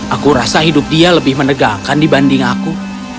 aku rasa hidup dia lebih menegakkan dibanding aku